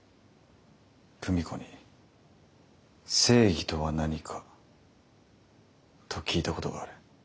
久美子に「正義とは何か」と聞いたことがある。